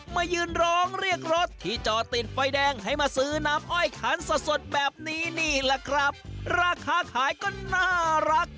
มายืนร้องเรียกรถที่จอดติดไฟแดงให้มาซื้อน้ำอ้อยขันสดสดแบบนี้นี่แหละครับราคาขายก็น่ารัก